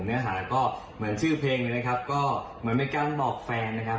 เนื้อหาก็เหมือนชื่อเพลงนะครับก็เหมือนเป็นการบอกแฟนนะครับ